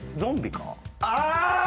ああ。